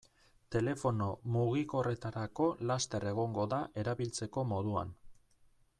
Telefono mugikorretarako laster egongo da erabiltzeko moduan.